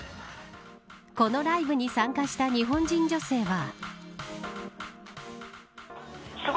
このライブに参加した日本人女性は。